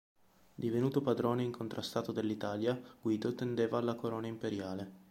Divenuto padrone incontrastato dell'Italia, Guido tendeva alla corona imperiale.